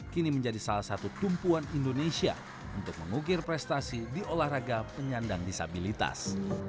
kini menjadi salah satu tumpuan indonesia untuk mengukir prestasi di olahraga penyandang disabilitas